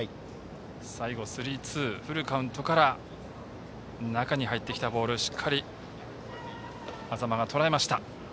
最後、スリーツーフルカウントから中に入ってきたボールをしっかり安座間がとらえました。